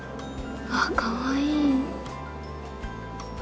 あかわいい。